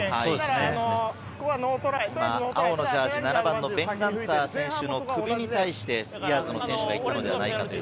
青のジャージー、ベン・ガンター選手の首に対して、スピアーズの選手が行ったのではないか？